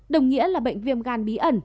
đồng nghĩa là bệnh viêm gan bí ẩn